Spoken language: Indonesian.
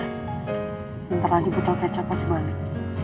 ntar lagi botol kecap pasti balik